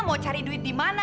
mau cari duit di mana